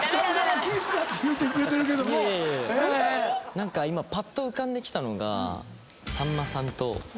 何かぱっと浮かんできたのが。